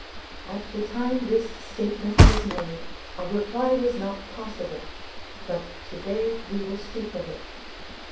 At the time this state ment was made a reply was not possible but today we will speak of it.